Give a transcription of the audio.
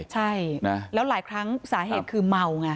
ใช่แล้วหลายครั้งสาเหตุคือเมาไง